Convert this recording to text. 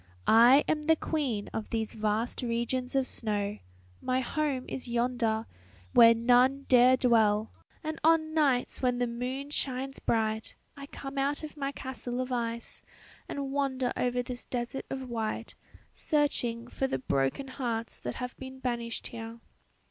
I am the queen of these vast regions of snow my home is yonder, where none dare dwell and on nights when the moon shines bright I come out of my castle of ice and wander over this desert of white, searching for the broken hearts that have been banished here.